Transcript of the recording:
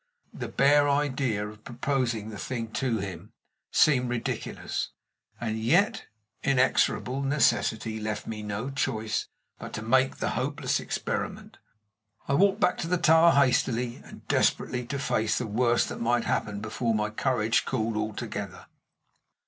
The bare idea of proposing the thing to him seemed ridiculous; and yet inexorable necessity left me no choice but to make the hopeless experiment. I walked back to the tower hastily and desperately, to face the worst that might happen before my courage cooled altogether.